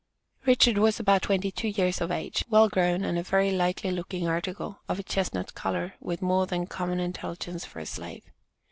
Richard was about twenty two years of age, well grown, and a very likely looking article, of a chestnut color, with more than common intelligence for a slave.